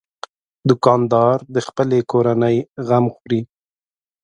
دوکاندار د خپلې کورنۍ غم خوري.